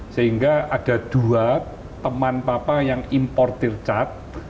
sehingga ada dua teman papa yang importir cat